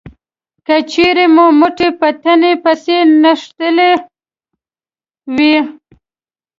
که چېرې مو مټې په تنې پسې نښتې وي